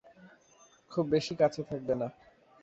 খুব বেশি কাছে থাকবে না।